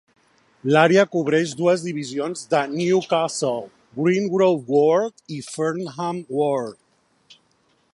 L'àrea cobreix dues divisions de Newcastle: Wingrove Ward i Fenham Ward.